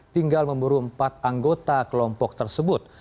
tinggal memburu empat anggota kelompok tersebut